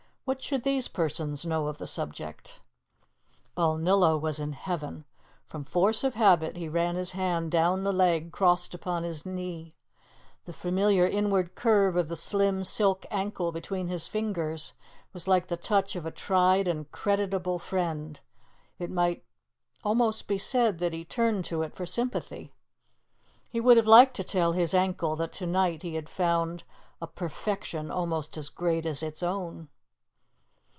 What should these persons know of the subject?" Balnillo was in heaven; from force of habit he ran his hand down the leg crossed upon his knee. The familiar inward curve of the slim silk ankle between his fingers was like the touch of a tried and creditable friend; it might almost be said that he turned to it for sympathy. He would have liked to tell his ankle that to night he had found a perfection almost as great as its own.